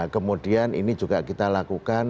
kemudian ini juga kita lakukan